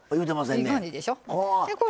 いい感じでしょ。